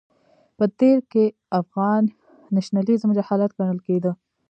په تېر کې افغان نېشنلېزم جهالت ګڼل کېده.